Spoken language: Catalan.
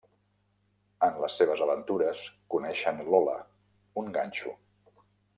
En les seves aventures, coneixen Lola, un ganxo.